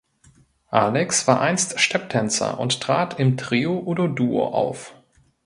Alex war einst Stepptänzer und trat im Trio oder Duo auf.